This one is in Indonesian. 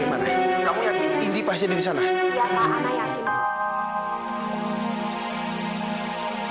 kamu dapat informasi ini dari mana